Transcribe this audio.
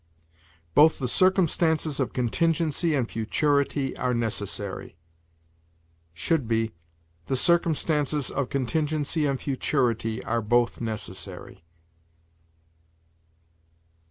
"Both the circumstances of contingency and futurity are necessary": should be, "The circumstances of contingency and futurity are both necessary."